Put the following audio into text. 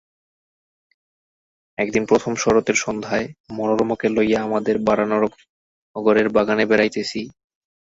একদিন প্রথম শরতের সন্ধ্যায় মনোরমাকে লইয়া আমাদের বরানগরের বাগানে বেড়াইতেছি।